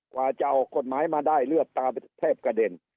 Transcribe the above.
กว่าจะออกกฎหมายมาได้เลือดตาแทบกระเด็น